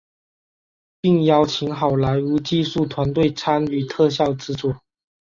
并邀请好莱坞技术团队参与特效制作。